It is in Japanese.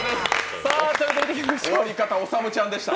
終わり方、おさむちゃんでした。